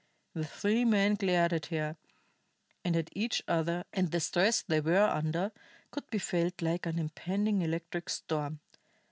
The three men glared at her, and at each other, and the stress they were under could be felt like an impending electric storm.